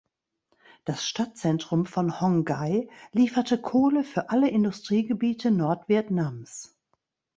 Das Stadtzentrum von Hong Gai lieferte Kohle für alle Industriegebiete Nordvietnams.